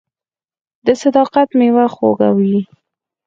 • د صداقت میوه خوږه وي.